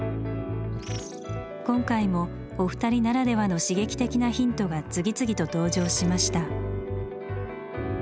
今回もお二人ならではの刺激的なヒントが次々と登場しました。